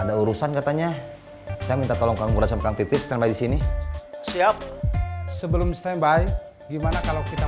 ada urusan katanya saya minta tolong kamu rasa mp tiga disini siap sebelum standby gimana kalau kita